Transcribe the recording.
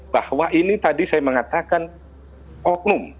bahwa ini tadi saya mengatakan oknum